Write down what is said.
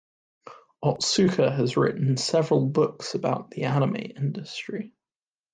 Otsuka has written several books about the anime industry.